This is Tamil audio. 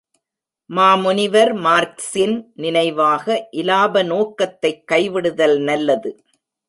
மாமுனிவர் மார்க்சின் நினைவாக இலாப நோக்கத்தை கைவிடுதல் நல்லது.